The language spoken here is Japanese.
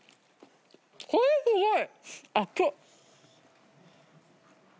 これすごい！熱っ。